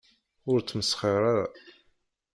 Ur tmesxir ara.